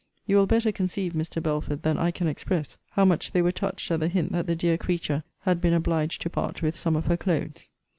You will better conceive, Mr. Belford, than I can express, how much they were touched at the hint that the dear creature had been obliged to part with some of her clothes.